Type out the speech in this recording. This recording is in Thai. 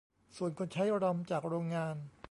ส่วนคนใช้รอมจากโรงงาน